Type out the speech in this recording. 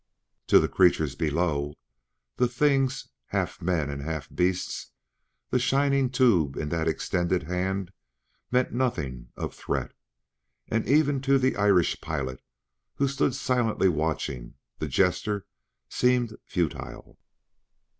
To the creatures below the things half men and half beasts the shining tube in that extended hand meant nothing of threat. And even to the Irish pilot, who stood silently watching, the gesture seemed futile.